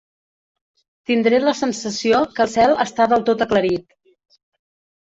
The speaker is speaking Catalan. Tindré la sensació que el cel està del tot aclarit.